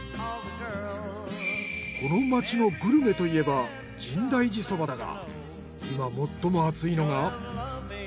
この街のグルメといえば深大寺そばだが今最も熱いのが。